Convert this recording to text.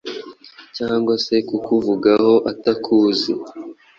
cg se kukuvugaho atakuzi